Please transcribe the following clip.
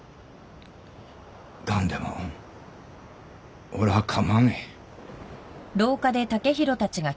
ガンでも俺はかまわねえ。